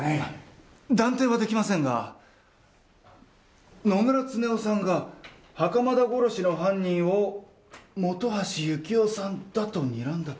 断定はできませんが野村恒雄さんが袴田殺しの犯人を本橋幸雄さんだとにらんだとしたら。